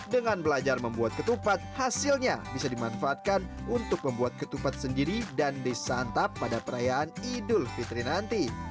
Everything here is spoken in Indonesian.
dengan belajar membuat ketupat hasilnya bisa dimanfaatkan untuk membuat ketupat sendiri dan disantap pada perayaan idul fitri nanti